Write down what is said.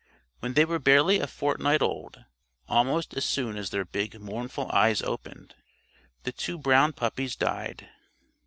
When they were barely a fortnight old almost as soon as their big mournful eyes opened the two brown puppies died.